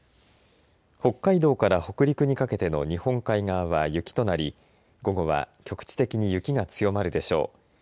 北海道から北陸にかけての日本海側は雪となり午後は局地的に雪が強まるでしょう。